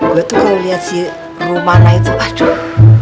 gue tuh kalau liat si rumana itu aduh